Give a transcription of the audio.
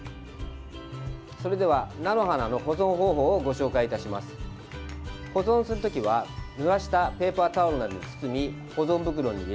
それでは、菜の花の保存方法をご紹介いたします。